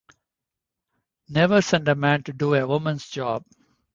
Never send a man to do a woman's job.